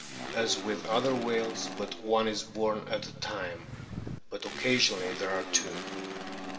As with other whales but one is born at a time, but occasionally there are two.